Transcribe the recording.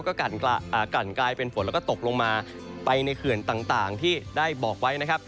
ก็กันกลายเป็นฝนแล้วก็ตกลงมาไปในเขื่อนต่างที่ได้บอกไว้นะครับ